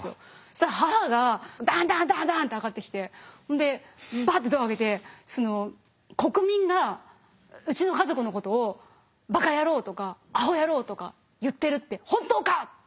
そしたら母がダンダンダンダンって上がってきてバッてドア開けて「国民がうちの家族のことをバカ野郎とかアホ野郎とか言ってるって本当か！」って言って。